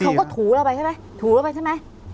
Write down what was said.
หรือเขาก็ถูแล้วไปใช่ไหมถูแล้วไปใช่ไหม